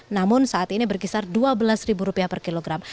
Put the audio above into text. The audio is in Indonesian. namun saat ini berkisar dua belas rupiah per kilogram